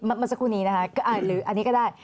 เมื่อสักครู่นี้นะคะหรืออันนี้ก็ได้